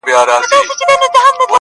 او سپېڅلی ښځینه یوازېتوب پروت دی.